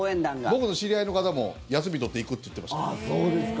僕の知り合いの方も休み取って行くって言ってました。